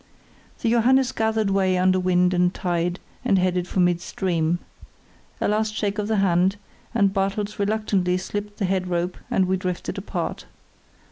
The Johannes gathered way under wind and tide and headed for midstream. A last shake of the hand, and Bartels reluctantly slipped the head rope and we drifted apart.